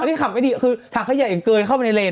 อันนี้คำไม่ดีคือทางขยะอย่างเกยเข้ามาในเลนเนี่ย